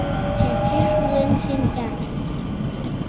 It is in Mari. Чачи шулен шинча...